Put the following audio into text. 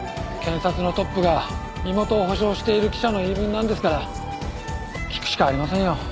検察のトップが身元を保証している記者の言い分なんですから聞くしかありませんよ。